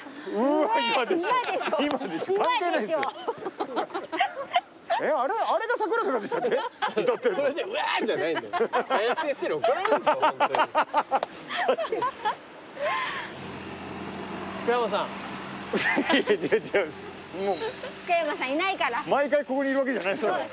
毎回ここにいるわけじゃないですから。